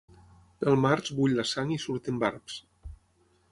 Pel març bull la sang i surten barbs.